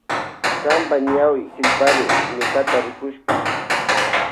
Kanpa ñawi llipyarin ñukata rikushpa.